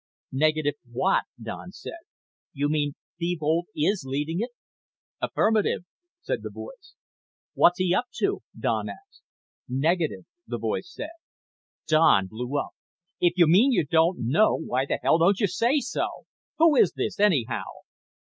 "Negative what?" Don said. "You mean Thebold is leading it?" "Affirmative," said the voice. "What's he up to?" Don asked. "Negative," the voice said. Don blew up. "If you mean you don't know, why the hell don't you say so? Who is this, anyhow?"